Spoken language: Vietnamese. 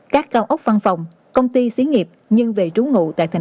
các cao ốc văn phòng công ty xí nghiệp nhưng về trú ngụ tại tp hcm